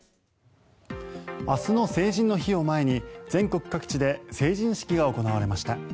明日の成人の日を前に全国各地で成人式が行われました。